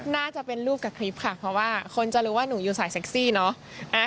น่าจะเป็นรูปกับคลิปค่ะเพราะว่าคนจะรู้ว่าหนูอยู่สายเซ็กซี่เนาะ